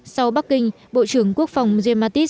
sau bắc kinh bộ trưởng quốc phòng giammatis